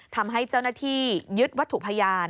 ทำให้เจ้าหน้าที่ยึดวัตถุพยาน